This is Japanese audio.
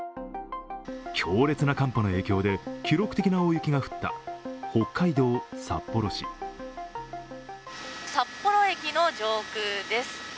強烈な寒波の影響で大雪が降った北海道札幌市札幌駅の上空です。